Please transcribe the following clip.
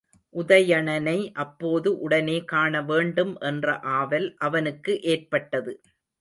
உதயணனை அப்போது உடனே காணவேண்டும் என்ற ஆவல் அவனுக்கு ஏற்பட்டது.